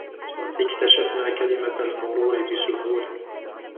اكتشفنا كلمة المرور بسهولة